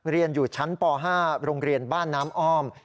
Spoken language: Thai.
เรียนอยู่ชั้นป๕โรงเรียนบ้านน้ำอ้อม